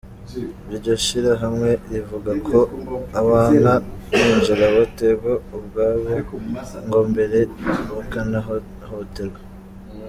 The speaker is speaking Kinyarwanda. Iryo shirahamwe rivuga ko abanka kwinjira bategwa ubwaba ngo mbere bakanahohoterwa.